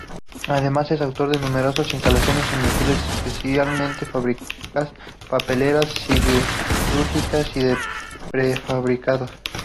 Además es autor de numerosas Instalaciones Industriales, especialmente Fábricas Papeleras, Siderúrgicas y de Prefabricados.